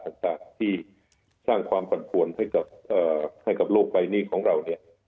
หรือที่สร้างความปัดฝนให้กับโลกใบนี้ของเรา